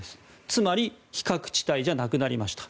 つまり非核地帯じゃなくなりました。